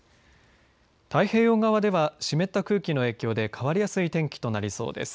太平洋側では湿った空気の影響で変わりやすい天気となりそうです。